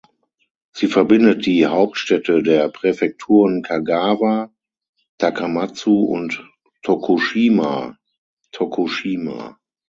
Sie verbindet die Hauptstädte der Präfekturen Kagawa (Takamatsu) und Tokushima (Tokushima).